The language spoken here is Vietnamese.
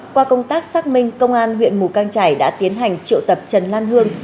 qua công tác xác minh công an huyện mù căng trải đã tiến hành triệu tập trần lan hương